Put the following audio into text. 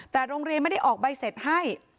แต่โรงเรียนไม่ได้ออกใบเสร็จให้